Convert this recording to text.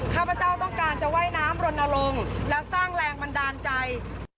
ข้าพเจ้าต้องการจะว่ายน้ำรณรงค์และสร้างแรงบันดาลใจ